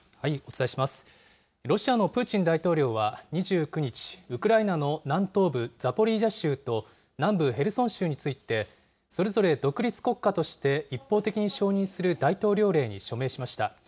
ロシアのプーチン大統領は、２９日、ウクライナの南東部ザポリージャ州と、南部ヘルソン州についてそれぞれ独立国家として一方的に承認する大統領令に署名しました。